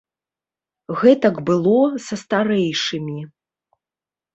Гэтак было са старэйшымі.